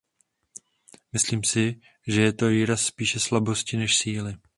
Myslím si, že je to výraz spíše slabosti, než síly.